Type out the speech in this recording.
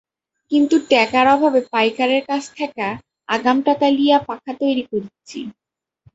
কিন্তু ট্যাকার অভাবে পাইকারের কাছ থ্যাকা আগাম টাকা লিয়্যা পাখা তৈরি করিচ্চি।